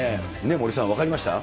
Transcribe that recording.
森さん、分かりました？